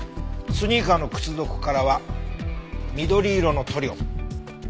スニーカーの靴底からは緑色の塗料。